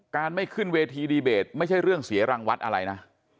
ไม่ขึ้นเวทีดีเบตไม่ใช่เรื่องเสียรังวัดอะไรนะ